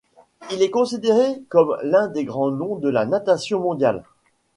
Il est considéré comme l'un des grands noms de la natation mondiale.